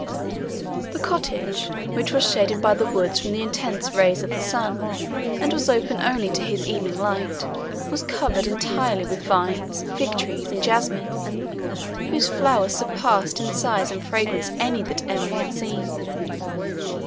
The cottage, which was shaded by the woods from the intenser rays of the sun, and was open only to his evening light, was covered entirely with vines, fig trees and jessamine, whose flowers surpassed in size and fragrance any that Emily had seen.